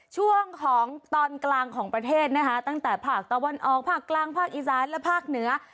ช่วงของตอนกลางของประเทศนะคะตั้งแต่ภาคตะวันออกภาคกลางภาคอีสานและภาคเหนือ